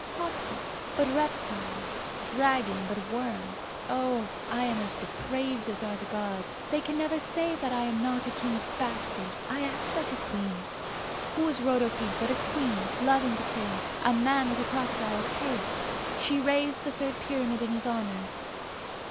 Hostile, but reptile; dragon, but worm. Oh, I am as depraved as are the gods! They can never say that I am not a king's bastard. I act like a queen. Who was Rodope but a queen loving Pteh, a man with a crocodile's head? She raised the third pyramid in his honour.